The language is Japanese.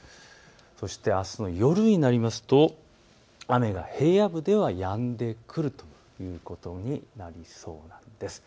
そしてあすの夜になりますと雨が平野部ではやんでくるということになりそうなんです。